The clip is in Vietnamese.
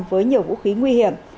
với nhiều vũ khí nguy hiểm